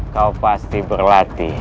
kau pasti berlatih